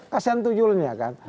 kasian tuyulnya kan